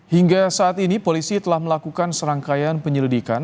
hingga saat ini polisi telah melakukan serangkaian penyelidikan